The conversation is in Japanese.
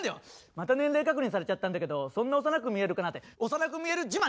また年齢確認されちゃったんだけどそんな幼く見えるかな？って幼く見える自慢してる女子と同じだから！